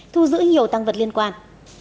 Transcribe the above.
thu giữ nhiều tăng vật liên quan